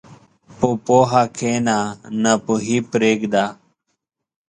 په پوهه کښېنه، ناپوهي پرېږده.